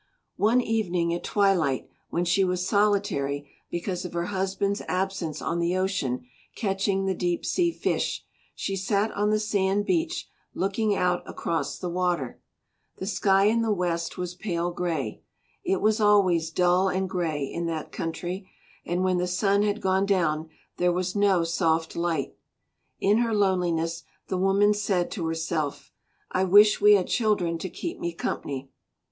One evening at twilight when she was solitary because of her husband's absence on the ocean catching the deep sea fish, she sat on the sand beach looking out across the water. The sky in the west was pale grey; it was always dull and grey in that country, and when the sun had gone down there was no soft light. In her loneliness the woman said to herself, "I wish we had children to keep me company."